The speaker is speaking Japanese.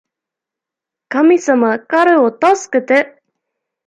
神様、彼を助けて！